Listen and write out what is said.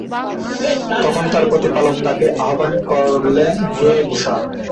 তখন তাঁর প্রতিপালক তাঁকে আহ্বান করলেন, হে মূসা!